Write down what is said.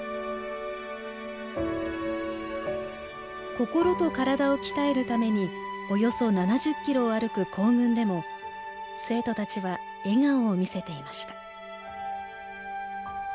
心と体を鍛えるためにおよそ７０キロを歩く行軍でも生徒たちは笑顔を見せていました。